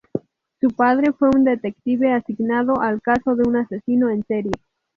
Su padre fue un detective asignado al caso de un asesino en serie.